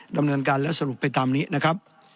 ดำเนินการและสรุปไปตามนี้นะครับ